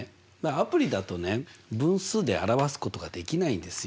アプリだとね分数で表すことができないんですよ。